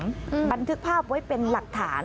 ซึ่งถือภาพไว้เป็นหลักฐาน